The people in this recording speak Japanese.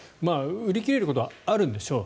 売り切れることはあるんでしょう。